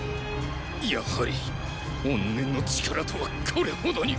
やはり怨念の力とはこれほどに。